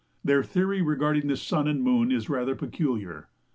Their theory regarding the sun and moon is rather peculiar.